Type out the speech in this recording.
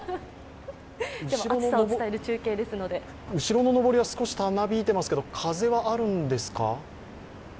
でも、暑さを伝える中継ですので後ろののぼりはたなびいていますけど、風はあるんですか？